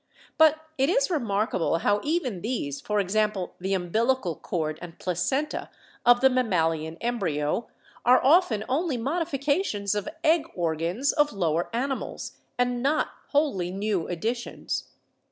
But it is remarkable how even these — for example, the umbilical cord and placenta of the mammalian embryo — are often only modifications of egg organs of lower ani mals, and not wholly new additions.